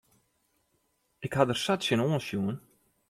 Ik ha der sa tsjinoan sjoen.